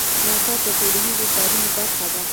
موټر د ټولنیزو کارونو برخه ده.